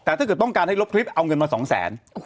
แต่ถ้าเกิดต้องการให้ลบคลิปเอาเงินมา๒แสน